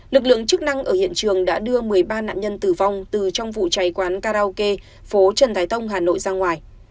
lực lượng chức năng ở hiện trường đã đưa một mươi ba nạn nhân tử vong từ trong vụ cháy quán karaoke phố trần thái tông hà nội ra ngoài